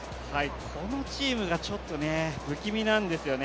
このチームがちょっと不気味なんですよね。